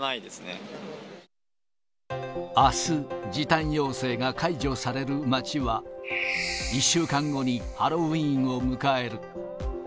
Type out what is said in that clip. あす、時短要請が解除される街は、１週間後にハロウィーンを迎える。